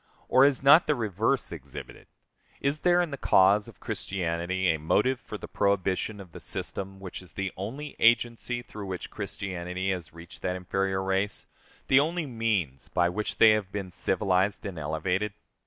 Or is not the reverse exhibited? Is there, in the cause of Christianity, a motive for the prohibition of the system which is the only agency through which Christianity has reached that inferior race, the only means by which they have been civilized and elevated?